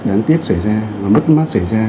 đáng tiếc xảy ra và mất mát xảy ra